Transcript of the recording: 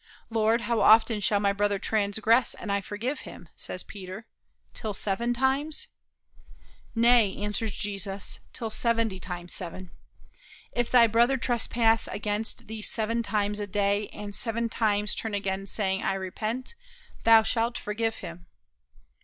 "Lord, how often shall my brother transgress and I forgive him?" says Peter; "till seven times?" "Nay," answers Jesus, "till seventy times seven." "If thy brother trespass against thee seven times a day, and seven times turn again saying, 'I repent,' thou shalt forgive him."